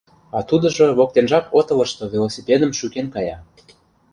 А тудыжо воктенжак отылышто велосипедым шӱкен кая.